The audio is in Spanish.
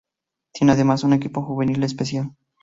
Tiene además un equipo juvenil especial.